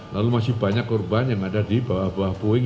lalu masih banyak korban yang ada di bawah bawah boeing